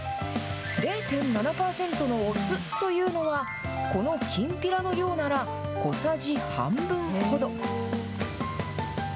０．７％のお酢というのは、このきんぴらの量なら、小さじ半分ほど。